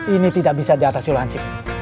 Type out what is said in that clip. ini tidak bisa di atasi oleh hansip